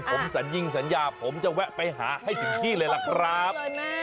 ผมสนิยมสัญญาผมจะแวะไปหาให้ไปที่เลยเลยล่ะครับ